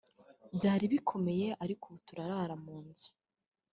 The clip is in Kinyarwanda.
byari bikomeye ariko ubu turara mu nzu